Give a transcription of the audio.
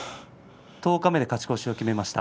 十日目で勝ち越しを決めました。